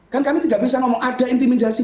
kan kami tidak bisa ngomong ada intimidasi